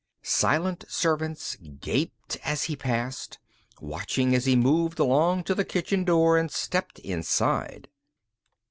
Silent servants gaped as he passed, watching as he moved along to the kitchen door and stepped inside.